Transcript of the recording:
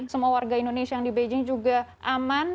semua warga indonesia yang di beijing juga aman